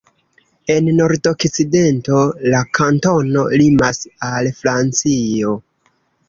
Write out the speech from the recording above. En nordokcidento la kantono limas al Francio.